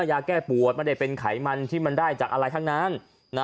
ยาแก้ปวดไม่ได้เป็นไขมันที่มันได้จากอะไรทั้งนั้น